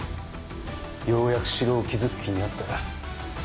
ようやく城を築く気になったか。